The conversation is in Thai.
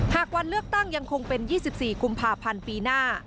หากวันเลือกตั้งยังคงเป็น๒๔กุมภาพันธ์ปีหน้า